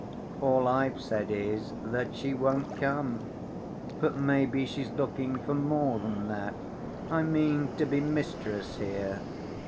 All I've said is that she won't come, but maybe she's looking for more than that—I mean to be mistress here.